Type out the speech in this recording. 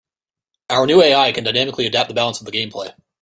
Our new AI can dynamically adapt the balance of the gameplay.